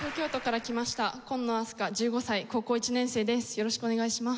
よろしくお願いします。